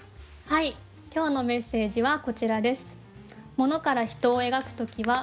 今日のメッセージはこちらです。